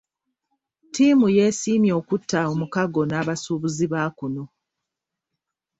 Ttiimu yeesiimye okutta omukago n'abasuubuzi ba kuno.